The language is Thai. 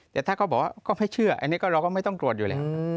แต่ถ้าเขาบอกว่าก็ไม่เชื่ออันนี้ก็เราก็ไม่ต้องตรวจอยู่แล้ว